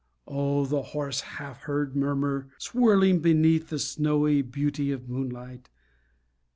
Oh, the hoarse Half heard murmur swirling beneath The snowy beauty of moonlight....